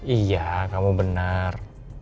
iya kamu benar